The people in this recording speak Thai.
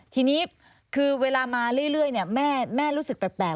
ทีนี้คือเวลามาเรื่อยแม่รู้สึกแปลก